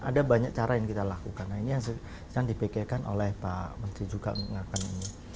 ada banyak cara yang kita lakukan nah ini yang dipikirkan oleh pak menteri juga mengatakan ini